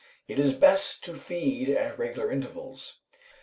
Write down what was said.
It is best to feed at regular intervals.